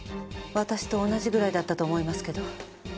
私と同じぐらいだったと思いますけど。